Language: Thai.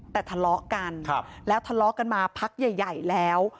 แต่ทะเลาะกันแล้วทะเลาะกันมาพักใหญ่แล้ว